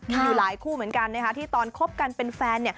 มีอยู่หลายคู่เหมือนกันที่ตอนคบกันเป็นแฟน